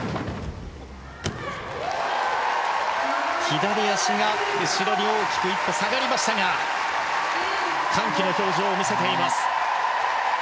左足が後ろに大きく１歩下がりましたが歓喜の表情を見せています。